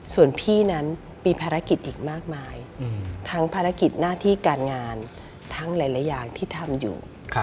ส่วนพี่นั้นมีภารกิจอีกมากมายทั้งภารกิจหน้าที่การงานทั้งหลายอย่างที่ทำอยู่